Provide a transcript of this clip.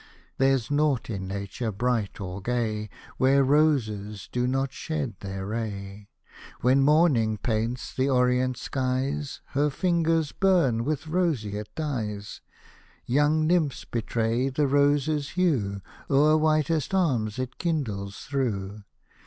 There's nought in nature bright or gay, Where roses do not shed their ray. When morning paints the orient skies, Her fingers burn with roseate dyes ; Young nymphs betray the rose's hue, O'er whitest arms it kindles through.